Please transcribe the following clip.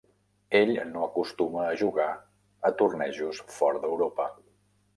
Ell no acostuma a jugar a tornejos fora d'Europa.